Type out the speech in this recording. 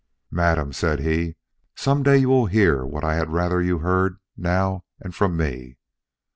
"Madam," said he, "some day you will hear what I had rather you heard now and from me.